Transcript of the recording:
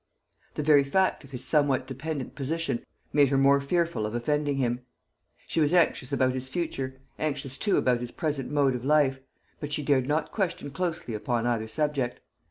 The very fact of his somewhat dependent position made her more fearful of offending him. She was anxious about his future; anxious too about his present mode of life; but she dared not question closely upon either subject.